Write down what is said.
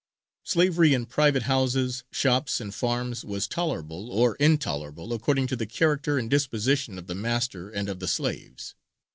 _)] Slavery in private houses, shops, and farms, was tolerable or intolerable according to the character and disposition of the master and of the slaves.